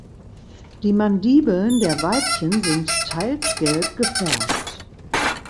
Die Mandibeln der Weibchen sind teils gelb gefärbt.